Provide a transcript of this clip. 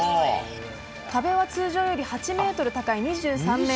壁は通常より８ｍ高い２３ｍ。